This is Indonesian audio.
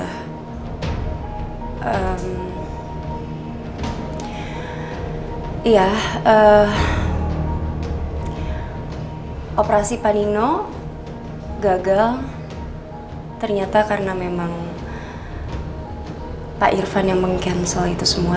iya operasi panino gagal ternyata karena memang pak irfan yang meng cancel itu semua